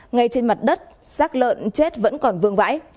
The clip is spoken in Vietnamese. ngay trên mặt đất xác lợn chết vẫn còn vương vãi